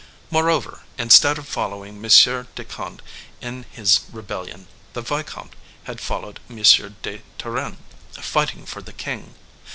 Moreover, instead of following M. de Conde in his rebellion, the vicomte had followed M. de Turenne, fighting for the king.